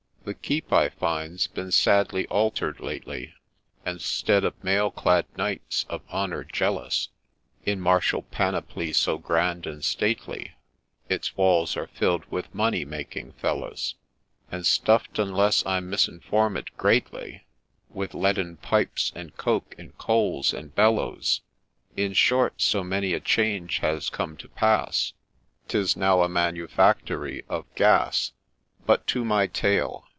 The Keep, I find, 's been sadly alter'd lately, And, 'stead of mail clad knights, of honour jealous, In martial panoply so grand and stately, Its walls are filled with money making fellows, And stuff'd, unless I'm misinformed greatly, With leaden pipes, and coke, and coals, and bellows ; In short, so great a change has come to pass, 'Tis now a manufactory of Gas. But to my tale.